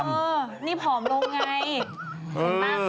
นี่ผอมลงไง